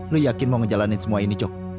lu yakin mau ngejalanin semua ini cok